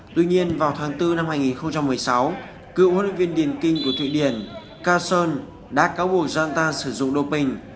tuy nhiên vào tháng bốn năm hai nghìn một mươi sáu cựu huấn luyện viên điển kinh của thụy điển carson đã cáo buộc jonathan sử dụng doping